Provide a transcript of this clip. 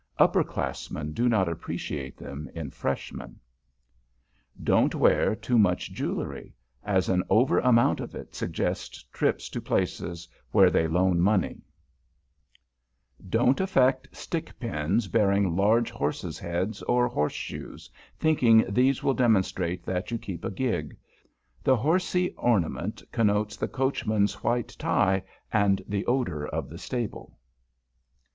Upper classmen do not appreciate them in Freshmen. [Sidenote: ABOUT THOSE SPARKLERS] Don't wear too much jewelry; as an over amount of it suggests trips to places where they loan money. [Sidenote: HORSY ORNAMENTS] Don't affect stick pins bearing large horses' heads or horseshoes, thinking these will demonstrate that you keep a gig. The horsy ornament connotes the coachman's white tie and the odor of the stable.